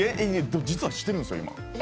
実はしてるんですよ、今。